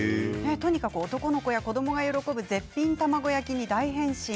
とにかく男の子や子どもが喜ぶ絶品卵焼きに大変身